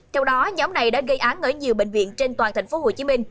trong đó nhóm này đã gây án ở nhiều bệnh viện trên toàn thành phố hồ chí minh